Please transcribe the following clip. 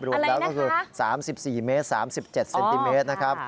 อะไรนะฮะเพิ่งเรียกทำแล้วคือ๓๔เมตร๓๗เซนติเมตรนะครับ